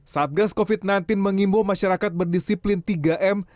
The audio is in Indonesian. satgas covid sembilan belas mengimbau masyarakat berdisiplin tiga m